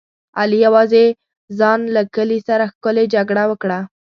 علي یوازې ځان له کلي سره ښکلې جګړه وکړه.